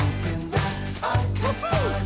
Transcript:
あっ！